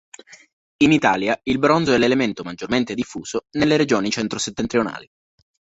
In Italia il bronzo è l'elemento maggiormente diffuso nelle regioni centro-settentrionali.